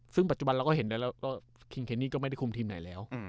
ซึ่งปัจจุบันเราก็เห็นได้แล้วว่าคิงเคนี่ก็ไม่ได้คุมทีมไหนแล้ว